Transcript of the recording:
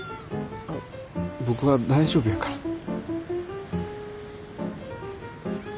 僕は大丈夫やから。